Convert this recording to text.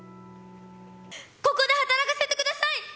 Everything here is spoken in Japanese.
ここで働かせてください！